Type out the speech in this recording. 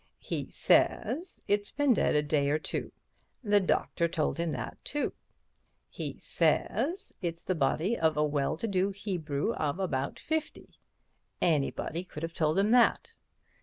He says it's been dead a day or two. The doctor told him that, too. He says it's the body of a well to do Hebrew of about fifty. Anybody could have told him that.